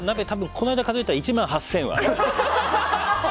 この間、数えたら１万８０００は。